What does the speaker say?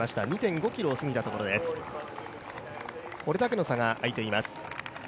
これだけの差が開いています。